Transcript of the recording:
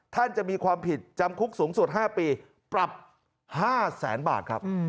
จะมีความผิดจำคุกสูงสุด๕ปีปรับ๕แสนบาทครับ